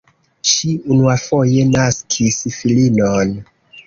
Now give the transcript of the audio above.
Ŝi unuafoje naskis filinon.